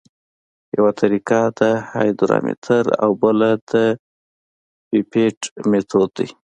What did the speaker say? یوه طریقه د هایدرامتر او بله د پیپیټ میتود دی